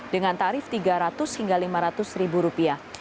dengan tarif tiga ratus hingga lima ratus ribu rupiah